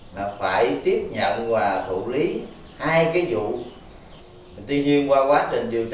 đafter ba land thund likely lorde mang tên giết